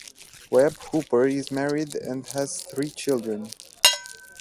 Webb Hooper is married and has three children.